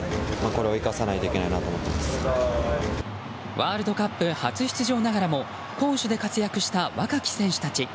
ワールドカップ初出場ながらも攻守で活躍した若き選手たち。